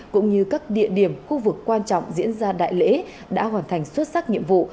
cũng như các địa điểm khu vực quan trọng diễn ra đại lễ đã hoàn thành xuất sắc nhiệm vụ